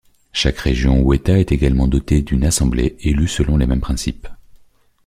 Chaque Région ou État est également dotée d'une Assemblée élue selon les mêmes principes.